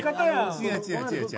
違う違う違う違う。